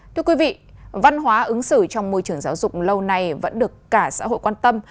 thưa quý vị văn hóa ứng xử trong môi trường giáo dục lâu nay vẫn được cả xã hội quan tâm